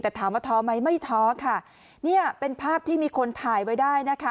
แต่ถามว่าท้อไหมไม่ท้อค่ะเนี่ยเป็นภาพที่มีคนถ่ายไว้ได้นะคะ